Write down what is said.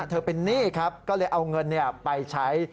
เธอเป็นหนี้ครับก็เลยเอาเงินไปใช้